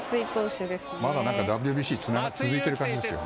まだＷＢＣが続いている感じですね。